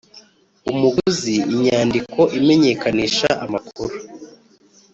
Umuguzi Inyandiko Imenyekanisha Amakuru